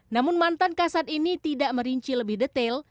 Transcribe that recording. namun mantan kasat ini tidak merinci lebih detail